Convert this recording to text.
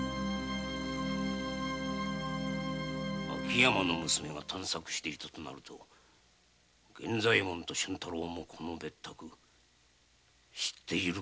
秋山の娘が捜索していたとなると源左衛門と俊太郎もこの別宅知っているかもしれぬな。